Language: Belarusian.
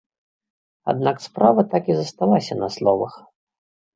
Аднак справа так і засталася на словах.